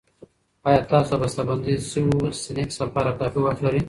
ایا تاسو د بستهبندي شويو سنکس لپاره کافي وخت لرئ؟